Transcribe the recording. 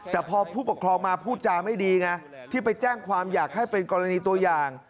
แต่พอผู้ปกครองมาพูดจาไม่ดีไงที่ไปแจ้งความอยากให้เป็นกรณีตัวอย่าง